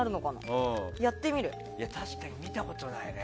確かに、見たことないね。